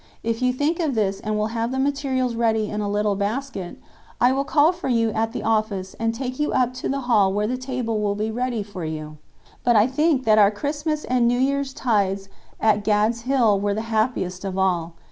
If you think of this and will have the materials ready in a little basket, I will call for you at the office and take you up to the hall where the table will be ready for you." But I think that our Christmas and New Year's tides at "Gad's Hill" were the happiest of all.